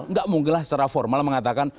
nggak mungkinlah secara formal mengatakan